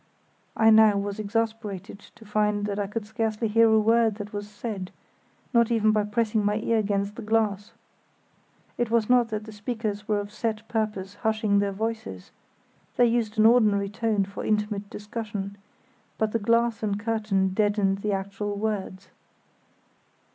I now was exasperated to find that I could scarcely hear a word that was said, not even by pressing my ear against the glass. It was not that the speakers were of set purpose hushing their voices—they used an ordinary tone for intimate discussion—but the glass and curtain deadened the actual words.